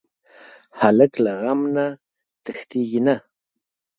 هلک له غم نه تښتېږي نه.